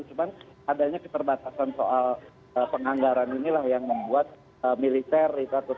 cuma adanya keterbatasan soal penganggaran inilah yang membuat militer itu tni dan kenhan harus